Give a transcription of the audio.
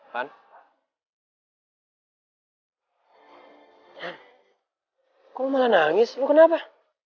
han kok lo malah nangis lo kenapa